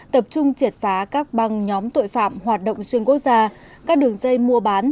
tập trung triệt phá các băng nhóm tội phạm hoạt động xuyên quốc gia các đường dây mua bán